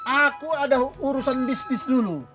aku ada urusan bisnis dulu